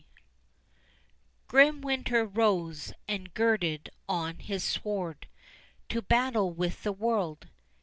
Grim Winter rose and girded on his sword To battle with the world.